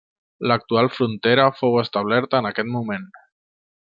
L'actual frontera fou establerta en aquest moment.